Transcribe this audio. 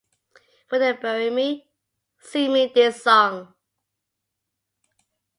When they bury me, sing me this song.